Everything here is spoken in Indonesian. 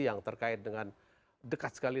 yang terkait dengan dekat sekali